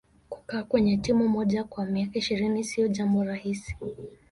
kukaa kwenye timu moja kwa miaka ishirini siyo jambo rahisi